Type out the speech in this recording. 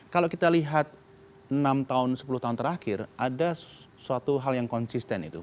kalau kita lihat enam tahun sepuluh tahun terakhir ada suatu hal yang konsisten itu